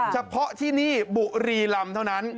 เฉพาะที่นี่บุรีลำเท่านั้น